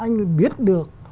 anh mới biết được